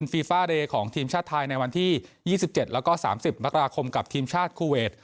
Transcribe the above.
ฟีฟ่าเรย์ของทีมชาติไทยในวันที่๒๗แล้วก็๓๐มกราคมกับทีมชาติคูเวท